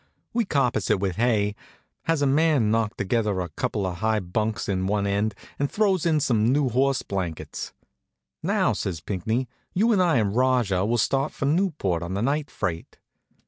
We carpets it with hay, has a man knock together a couple of high bunks in one end, and throws in some new horse blankets. "Now," says Pinckney, "you and I and Rajah will start for Newport on the night freight."